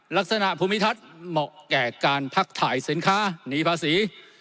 ลักษณะภูมิทัศน์เหมาะแก่การพักถ่ายสินค้านีภาษี